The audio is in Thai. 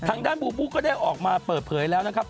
ทางด้านบูบูก็ได้ออกมาเปิดเผยแล้วนะครับ